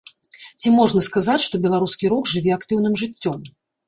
Ці можна сказаць, што беларускі рок жыве актыўным жыццём?